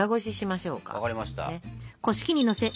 分かりました。